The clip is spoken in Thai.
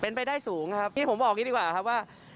เป็นไปได้สูงครับนี่ผมบอกอย่างนี้ดีกว่าครับว่า